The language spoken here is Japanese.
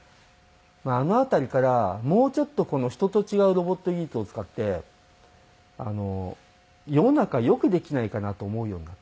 あの辺りからもうちょっとこの人と違うロボット技術を使って世の中を良くできないかなと思うようになった。